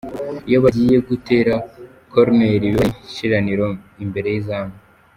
Iyo bagiye gutera koruneri biba ari ishiraniro imbere y'izamu.